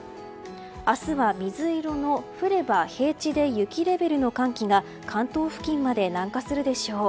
明日は水色の降れば平地で雪レベルの寒気が関東付近まで南下するでしょう。